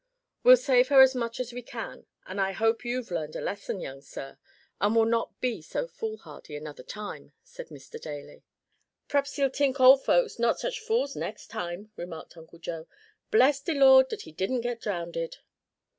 "We'll save her as much as we can; and I hope you've learned a lesson, young sir, and will not be so foolhardy another time," said Mr. Daly. "P'raps he'll tink ole folks not such fools, nex' time," remarked Uncle Joe. "Bless de Lord dat he didn't get drownded!"